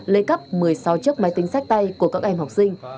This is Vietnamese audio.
lấy cắp một mươi sáu chiếc máy tính sách tay của các em học sinh